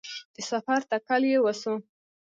د سفر تکل یې وسو